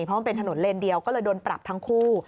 เพราะมันเป็นถนนเลนเดียวก็เลยโดนปรับทั้งคู่